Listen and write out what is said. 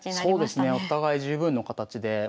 そうですねお互い十分の形で。